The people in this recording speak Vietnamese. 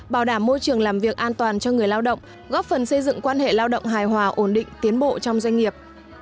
bảo đảm môi trường làm việc an toàn cho người lao động góp phần xây dựng quan hệ lao động hài hòa ổn định tiến bộ trong doanh nghiệp